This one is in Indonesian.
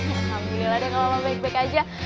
alhamdulillah deh kalo lo baik baik aja